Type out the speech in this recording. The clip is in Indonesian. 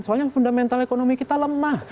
soalnya fundamental ekonomi kita lemah